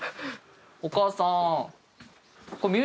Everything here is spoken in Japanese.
お母さん。